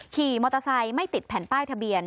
ขี่มอเตอร์ไซค์ไม่ติดแผ่นป้ายทะเบียน